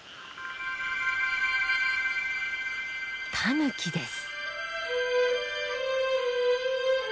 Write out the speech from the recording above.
タヌキです。